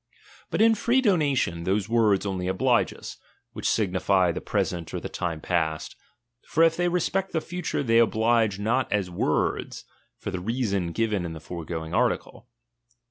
But in free donation, those words only oblige us, which sig nify the present or the time past ; for if they re spect the future, they oblige not as words, for the reason given in the foregoing article.